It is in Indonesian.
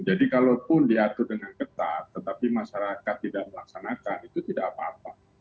jadi kalau pun diatur dengan ketat tetapi masyarakat tidak melaksanakan itu tidak apa apa